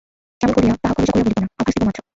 কেমন করিয়া, তাহা খোলসা করিয়া বলিব না, আভাস দিব মাত্র।